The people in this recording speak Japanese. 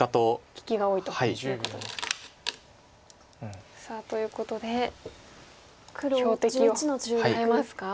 利きが多いということですか。ということで標的を変えますか？